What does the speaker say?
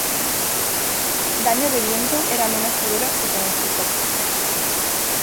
Daño de viento era menos severo que pronosticó.